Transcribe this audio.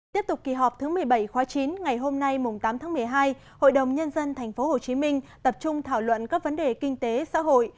tiếp tục kỳ họp thứ một mươi bảy khóa chín ngày hôm nay tám tháng một mươi hai hội đồng nhân dân tp hcm tập trung thảo luận các vấn đề kinh tế xã hội